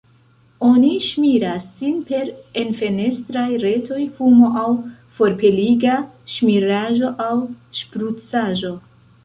Oni ŝirmas sin per enfenestraj retoj, fumo aŭ forpeliga ŝmiraĵo aŭ ŝprucaĵo.